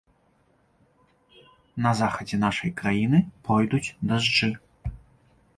На захадзе нашай краіны пройдуць дажджы.